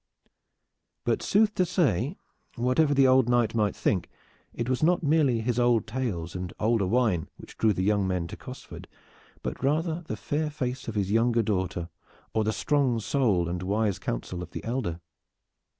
But sooth to say, whatever the old knight might think, it was not merely his old tales and older wine which drew the young men to Cosford, but rather the fair face of his younger daughter, or the strong soul and wise counsel of the elder.